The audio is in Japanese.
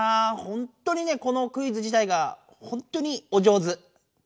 ほんとにねこのクイズ自体がほんとにお上手。